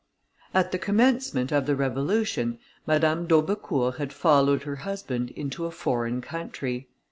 At the commencement of the revolution, Madame d'Aubecourt had followed her husband into a foreign country.